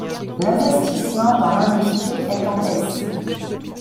L’investissement dans l’industrie est en baisse.